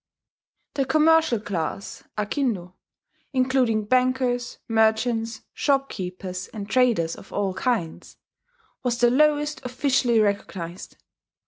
The commercial class (Akindo), including bankers, merchants, shopkeepers, and traders of all kinds, was the lowest officially recognized.